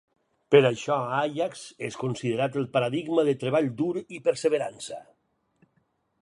Per això, Àiax és considerat el paradigma de treball dur i perseverança.